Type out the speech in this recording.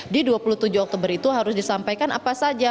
di dua puluh tujuh oktober itu harus disampaikan apa saja